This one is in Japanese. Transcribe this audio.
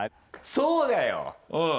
そうだようん。